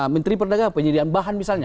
menteri perdagangan penyediaan bahan misalnya